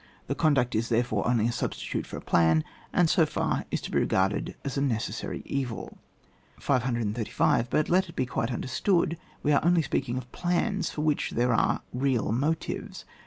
The conduct is there* fore only a substitute for a plan, and so far, is to be regarded as a necessary evil. 535. But let it be quite understood, we are only speaking oi plans for which there are real motives.